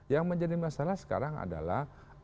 yang menjadi masalah sekarang adalah